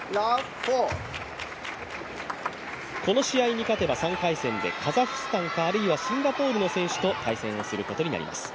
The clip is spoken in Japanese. この試合に勝てば３回戦で、カザフスタンかあるいはシンガポールの選手と対戦することになります。